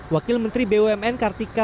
wakil menteri bumn kartika